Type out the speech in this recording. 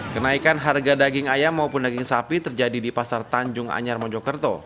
kenaikan harga daging ayam maupun daging sapi terjadi di pasar tanjung anyar mojokerto